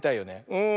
うん。